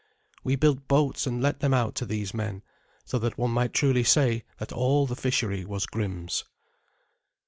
We built boats and let them out to these men, so that one might truly say that all the fishery was Grim's.